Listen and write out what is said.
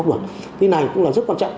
cái này cũng là rất quan trọng